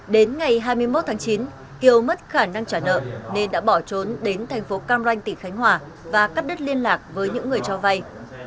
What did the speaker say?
đến ngày hai mươi một tháng chín kiều mất khả năng trả nợ nên đã bỏ trốn đến thành phố cam ranh tỉnh khánh hòa và cắt đứt liên lạc với những người cho vay